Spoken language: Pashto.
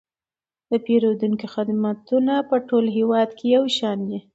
د پیرودونکو خدمتونه په ټول هیواد کې یو شان دي.